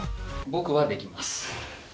僕はできます。